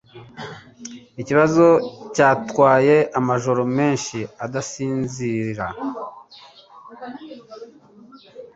Ikibazo cyantwaye amajoro menshi adasinzira